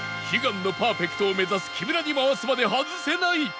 悲願のパーフェクトを目指す木村に回すまで外せない！